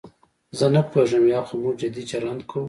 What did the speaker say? زه نه پوهېږم یا خو موږ جدي چلند کوو.